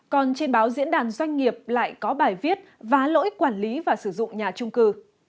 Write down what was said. còn trên báo diễn đàn doanh nghiệp lại có bài viết vá lỗi quản lý và sử dụng nhà trung cư